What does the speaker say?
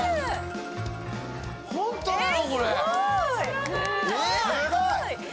ホントなのこれ！？